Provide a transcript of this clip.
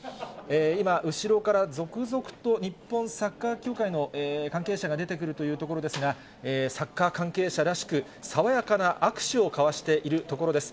今、後ろから続々と日本サッカー協会の関係者が出てくるというところですが、サッカー関係者らしく、爽やかな握手を交わしているところです。